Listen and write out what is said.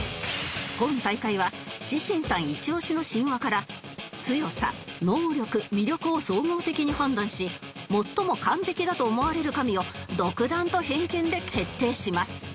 今大会はシシンさんイチオシの神話から強さ能力魅力を総合的に判断し最も完璧だと思われる神を独断と偏見で決定します